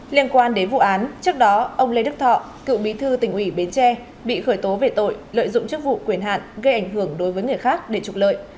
liên quan đến vụ án trước đó ông lê đức thọ cựu bí thư tỉnh ủy bến tre bị khởi tố về tội lợi dụng chức vụ quyền hạn gây ảnh hưởng đối với người khác để trục lợi